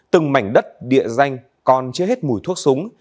từng mảnh đất địa danh còn chưa hết mùi thuốc súng